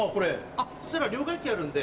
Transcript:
あっそういえば両替機あるんで。